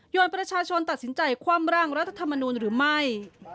ประชาชนตัดสินใจคว่ำร่างรัฐธรรมนูลหรือไม่